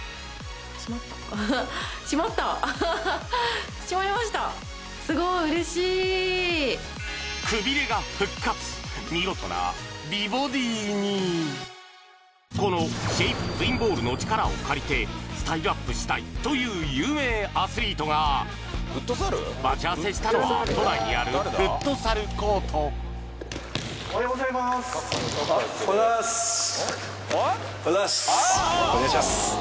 閉まった閉まったアハハ閉まりましたすごい嬉しいが復活見事な美ボディにこのシェイプツインボールの力を借りてスタイルアップしたいという有名アスリートが待ち合わせしたのは都内にあるフットサルコートおはようございますおはようございますおはようございますお願いします